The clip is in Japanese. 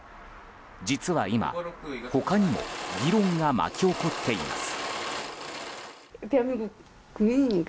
実は今、他にも議論が巻き起こっています。